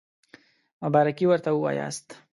مبارکي ورته ووایاست.